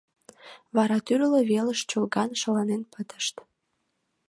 Вара тӱрлӧ велыш чолган шаланен пытышт.